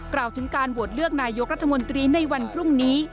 กล่าวถึงการโหวตเลือกนายกรัฐมนตรีในวันพรุ่งนี้